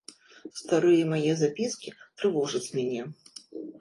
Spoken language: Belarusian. Старыя мае запіскі трывожаць мяне.